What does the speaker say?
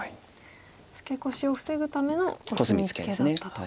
ツケコシを防ぐためのコスミツケだったと。